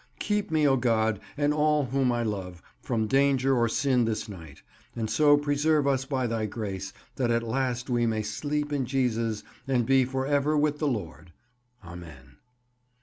Keep me, O God, and all whom I love, from danger or sin this night, and so preserve us by Thy grace that at last we may sleep in Jesus and be for ever with the Lord. Amen.